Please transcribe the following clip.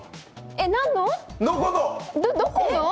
どこの？